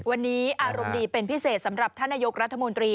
วันนี้อารมณ์ดีเป็นพิเศษสำหรับท่านนายกรัฐมนตรี